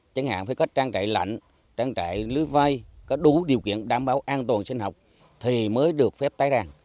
chẳng hạn phải có trang trại lạnh trang trại lưới vay có đủ điều kiện đảm bảo an toàn sinh học thì mới được phép tái đàn